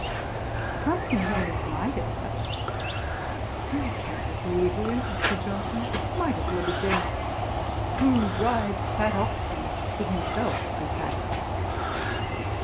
The company having admired it much, 'I cannot agree with you (said Johnson:) It might as well be said, 'Who drives fat oxen should himself be fat.'